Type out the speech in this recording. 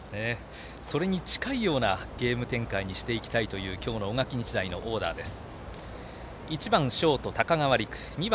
それに近いようなゲーム展開にしていきたいという大垣日大の今日のオーダーです。